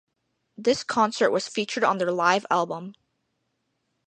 This concert was featured on their Live album.